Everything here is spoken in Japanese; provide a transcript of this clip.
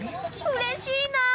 うれしいなー！